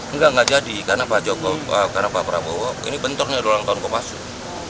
enggak enggak jadi karena pak prabowo ini bentuknya dolang tahun kopasuh